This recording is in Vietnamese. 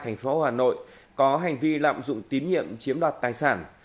thành phố hà nội có hành vi lạm dụng tín nhiệm chiếm đoạt tài sản